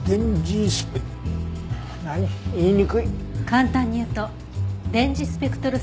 簡単に言うと電磁スペクトル